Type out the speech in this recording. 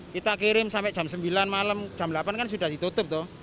kita kirim sampai jam sembilan malam jam delapan kan sudah ditutup tuh